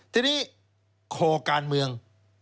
ทีนี้คอการเมือง